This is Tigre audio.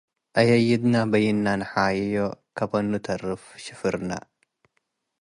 እያድነ በይነ ነሓይዮ ከበኑ ተርፍ ሽፍርነ፣